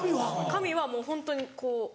髪はもうホントにこう。